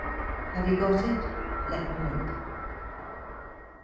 Have you got it? Let me look.